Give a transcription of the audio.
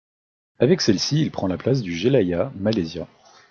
Avec celle-ci, il prend la place du Jelajah Malaysia.